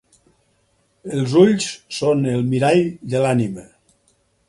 Els ulls són el mirall de l'ànima.